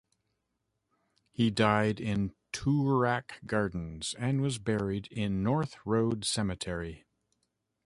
He died in Toorak Gardens and was buried in North Road Cemetery.